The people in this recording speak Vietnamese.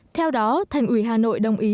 theo đó thành ủy hà nội đồng ý